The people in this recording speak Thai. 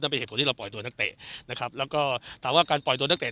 เป็นเหตุผลที่เราปล่อยตัวนักเตะนะครับแล้วก็ถามว่าการปล่อยตัวนักเตะ